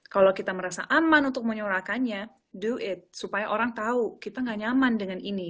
kalau kita merasa aman untuk menyuarakannya do it supaya orang tahu kita gak nyaman dengan ini